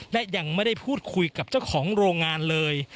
และยังไม่ได้พูดคุยกับเจ้าของโรงงานเลย